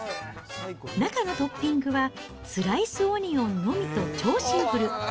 中のトッピングはスライスオニオンのみと超シンプル。